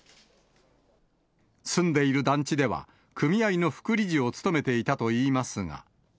住んでいる団地では、組合の副理事を務めていたといいますが。